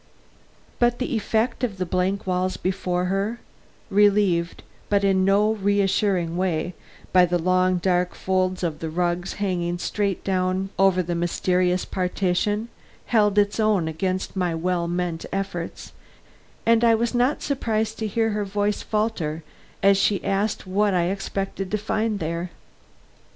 But the effect of the blank walls before her, relieved, but in no reassuring way, by the long dark folds of the rugs hanging straight down over the mysterious partition, held its own against my well meant efforts, and I was not surprised to hear her voice falter as she asked what I expected to find there.